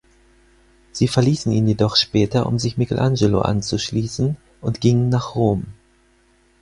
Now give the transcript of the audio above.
Sie verließen ihn jedoch später, um sich Michelangelo anzuschließen und gingen nach Rom.